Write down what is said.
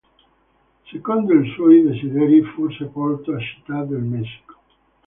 Secondo i suoi desideri, fu sepolta a Città del Messico.